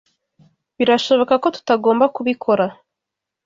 Birashoboka ko tutagomba kubikora.